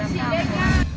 nó nhiều lắm